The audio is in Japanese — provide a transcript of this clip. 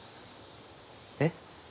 えっ？